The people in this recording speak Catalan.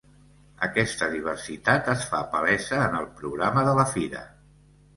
Aquesta diversitat es fa palesa en el programa de la fira.